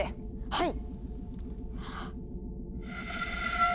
はい。